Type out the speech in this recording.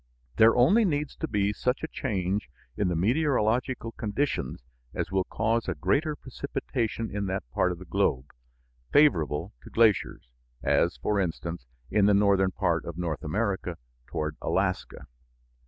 There only needs to be such a change in the meteorological conditions as will cause a greater precipitation in that part of the globe favorable to glaciers, as, for instance, in the northern part of North America toward Alaska.